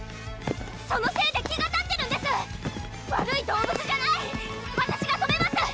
そのせいで気が立ってるんです悪い動物じゃないわたしが止めます